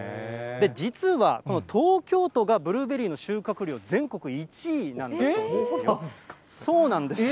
実は、この東京都がブルーベリーの収穫量、全国１位なんだそうですよ。